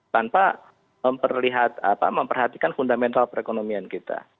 tanpa memperhatikan fundamental perekonomian kita